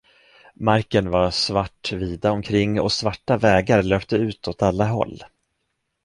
Marken var svart vida omkring, och svarta vägar löpte ut åt alla håll.